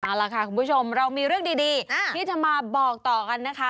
เอาล่ะค่ะคุณผู้ชมเรามีเรื่องดีที่จะมาบอกต่อกันนะคะ